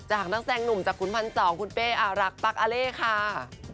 จากนักแทงหนุ่มจากคุณพันธ์๒คุณเป๊อารักปั๊กอเล่ค่ะ